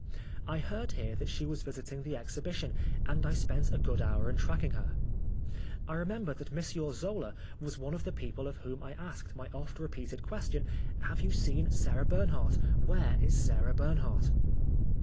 I heard here that she was visiting the exhibi tion, and I spent a good hour in tracking her. I remember that M. Zola was one of the people of whom I asked my oft repeated question, " Have you seen Sarah Bern hardt ? Where is Sarah Bernhardt